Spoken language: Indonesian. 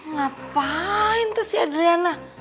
ngapain tuh si adriana